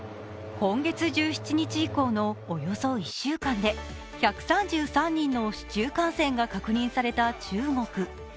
今月１７日以降のおよそ１週間で１３３人の市中感染が確認された中国。